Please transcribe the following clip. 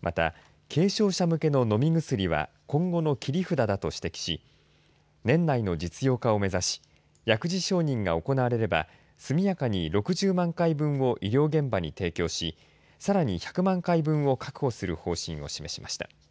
また、軽症者向けの飲み薬は今後の切り札だと指摘し年内の実用化を目指し薬事承認が行われれば速やかに６０万回分を医療現場に提供しさらに１００万回分を確保する方針を示しました。